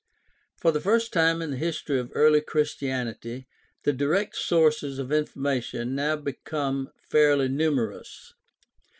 — For the first time in the history of early Christianity the direct sources of information now become fairly numerous.